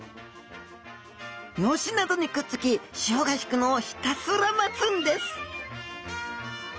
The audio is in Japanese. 葦などにくっつき潮が引くのをひたすら待つんです